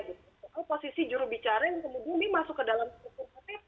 soal posisi juru bicara yang kemudian masuk ke dalam struktur ppk